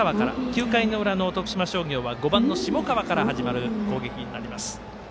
９回の裏の徳島商業は５番の下川から始まる攻撃になります。